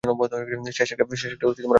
শেষ একটা আলোচনা বাকি।